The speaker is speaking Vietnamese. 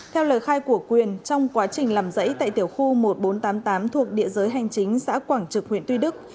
theo lời khai của quyền trong quá trình làm dãy tại tiểu khu một nghìn bốn trăm tám mươi tám thuộc địa giới hành chính xã quảng trực huyện tuy đức